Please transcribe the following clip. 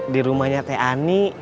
di rumahnya teh ani